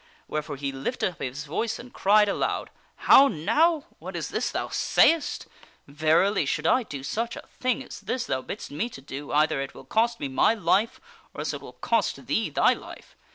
Wherefore he lifted up his voice and cried aloud, " How now ! What is this thou sayest ! Verily, should I do such a thing as this thou bidst me to do, either it will cost me my life or else it will cost thee thy life.